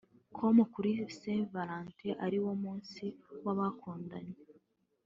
com ko kuri Saint Valentin ari wo munsi w'abakundana